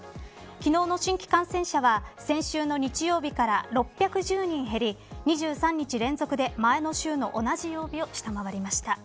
昨日の新規感染者は先週の日曜日から６１０人減り２３日連続で前の週の同じ曜日を下回りました。